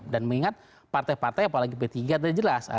dan mengingat partai partai apalagi p tiga tadi jelas